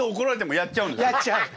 やっちゃう！